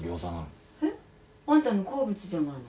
えっ？あんたの好物じゃないの。